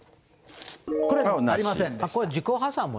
これ、ありませんでした。